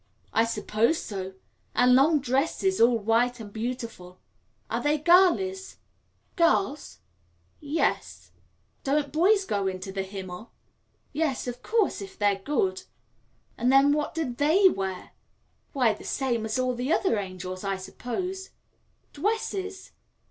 "I suppose so, and long dresses, all white and beautiful." "Are they girlies?" "Girls? Ye es." "Don't boys go into the Himmel?" "Yes, of course, if they're good." "And then what do they wear?" "Why, the same as all the other angels, I suppose." "Dwesses?"